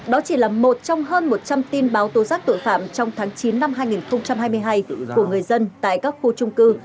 đó chỉ là một trong hơn một trăm linh tin báo tố giác tội phạm trong tháng chín năm hai nghìn hai mươi hai của người dân tại các khu trung cư